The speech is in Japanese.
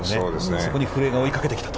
そこに古江が追いかけてきたと。